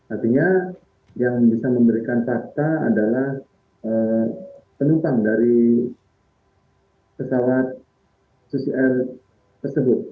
artinya yang bisa memberikan fakta adalah penumpang dari pesawat